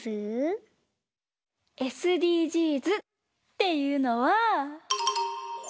ＳＤＧｓっていうのは。